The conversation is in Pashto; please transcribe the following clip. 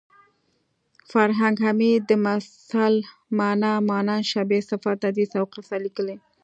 فرهنګ عمید د مثل مانا مانند شبیه صفت حدیث او قصه لیکلې